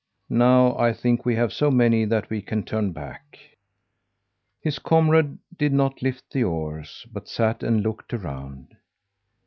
Now I think we have so many that we can turn back." His comrade did not lift the oars, but sat and looked around.